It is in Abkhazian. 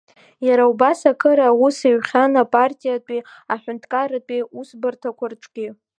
Иара убас акыр аус иухьан апартиатәи аҳәынҭқарратәи усбарҭақәа рҿгьы.